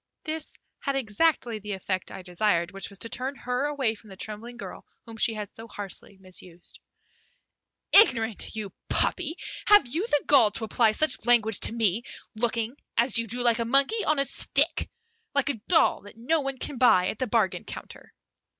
This had exactly the effect I desired, which was to turn her away from the trembling girl whom she had so harshly misused. "Ignorant, you puppy! Have you the gall to apply such language to me, looking, as you do, like a monkey on a stick; like a doll that one can buy at the bargain counter."